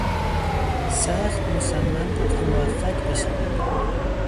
سخت مصمم بود که موفق بشود.